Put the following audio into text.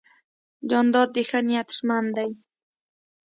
جانداد د ښه نیت ژمن دی.